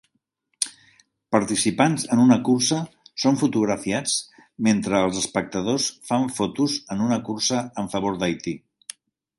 Participants en una cursa són fotografiats mentre els espectadors fan fotos en una cursa en favor d'Haití.